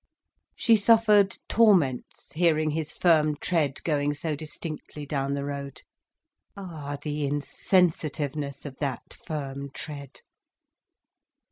She suffered torments hearing his firm tread going so distinctly down the road. Ah, the insensitiveness of that firm tread!